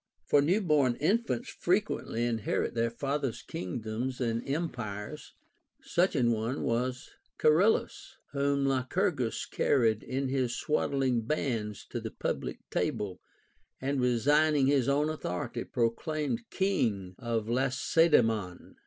For new born infants frequently inherit their father's kingdoms and empires. Such an one was Charillus, whom Lycurgus carried in his swaddling bands to the public table, and resigning his own authority proclaimed king of Lacedaemon.